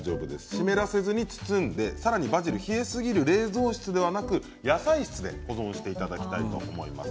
湿らせずに包んでさらに、バジルは冷えすぎる冷蔵室ではなく、野菜室で保存していただきたいと思います。